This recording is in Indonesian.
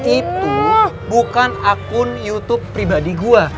itu bukan akun youtube pribadi gue